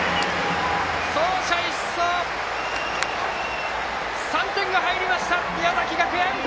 走者一掃、３点が入りました宮崎学園！